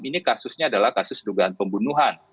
ini kasusnya adalah kasus dugaan pembunuhan